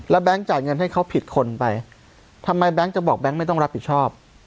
แก๊งจ่ายเงินให้เขาผิดคนไปทำไมแบงค์จะบอกแก๊งไม่ต้องรับผิดชอบ